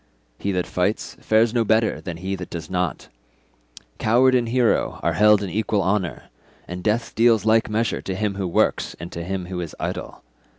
He that fights fares no better than he that does not; coward and hero are held in equal honour, and death deals like measure to him who works and him who is idle.